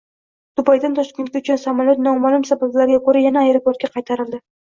Dubaydan Toshkentga uchgan samolyot noma’lum sabablarga ko‘ra yana aeroportga qaytarildi